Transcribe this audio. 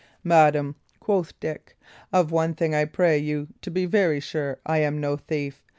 "Madam," quoth Dick, "of one thing I pray you to be very sure: I am no thief.